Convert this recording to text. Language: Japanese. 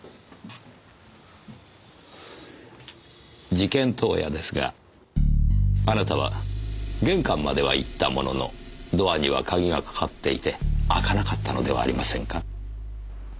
事件当夜ですがあなたは玄関までは行ったもののドアには鍵が掛かっていて開かなかったのではありませんか？